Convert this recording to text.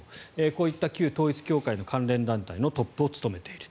こういった旧統一教会の関連団体のトップを務めている。